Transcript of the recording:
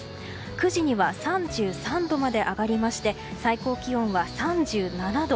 ９時には３３度まで上がりまして最高気温は３７度。